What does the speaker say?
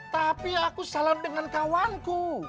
tapi aku salah dengan kawanku